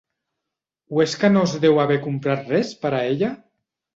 O és que no es deu haver comprat res, per a ella?